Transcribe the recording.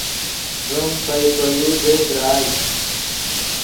ڤیم پئے پے یو دے تراژ